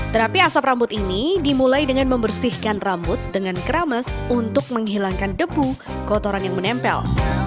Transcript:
terapi asap rambut ini dimulai dengan membersihkan rambut dengan kerames untuk menghilangkan debu kotoran yang menempel